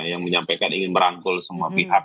yang menyampaikan ingin merangkul semua pihak